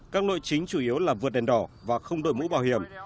các nội chính chủ yếu là vượt đèn đỏ và không đổi mũ bảo hiểm